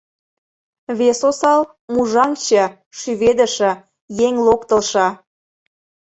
Вес осал — мужаҥче, шӱведыше, «еҥ локтылшо».